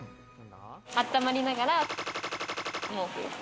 あったまりながら毛布。